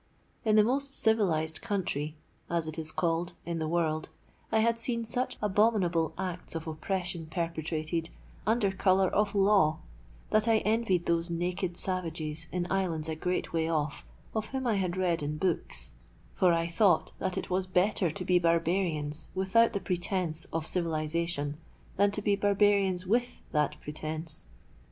In the most civilised country (as it is called) in the world, I had seen such abominable acts of oppression perpetrated, under colour of law, that I envied those naked savages in islands a great way off of whom I had read in books; _for I thought that it was better to be barbarians without the pretence of civilisation, than to be barbarians with that pretence_.